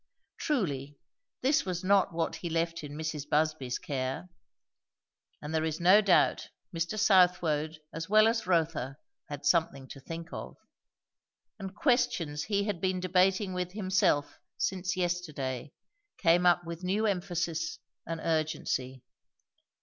Truly, this was not what he left in Mrs. Busby's care. And there is no doubt Mr. Southwode as well as Rotha had something to think of; and questions he had been debating with himself since yesterday came up with new emphasis and urgency.